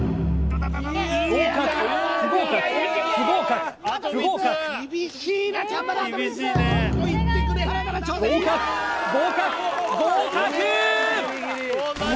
合格不合格不合格不合格合格合格合格！